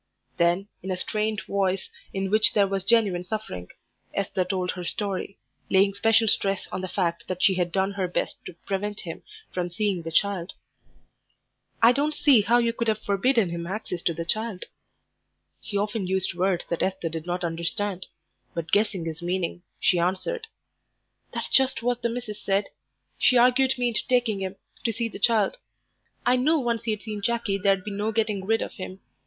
Then in a strained voice, in which there was genuine suffering, Esther told her story, laying special stress on the fact that she had done her best to prevent him from seeing the child. "I don't see how you could have forbidden him access to the child." He often used words that Esther did not understand, but guessing his meaning, she answered "That's just what the missus said; she argued me into taking him to see the child. I knew once he'd seen Jackie there'd be no getting rid of him.